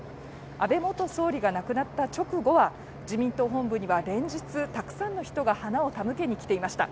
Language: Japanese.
安倍元総理が亡くなった直後は、自民党本部には連日、たくさんの人が花を手向けに来ていました。